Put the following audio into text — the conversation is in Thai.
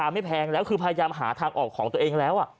ไม่แพงแล้วคือพยายามหาทางออกของตัวเองแล้ว